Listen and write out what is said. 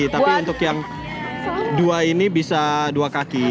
tapi untuk yang dua ini bisa dua kaki